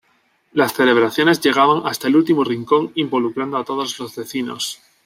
Las celebraciones llegaban hasta el último rincón involucrando a todos los vecinos.